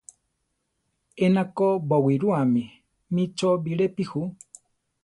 Ena ko bowirúame mí chó birepi ju.